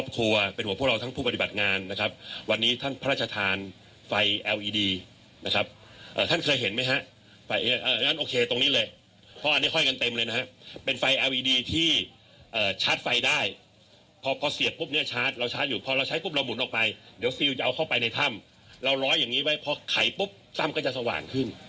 ไข่ปุ๊บถ้ำก็จะสว่างขึ้น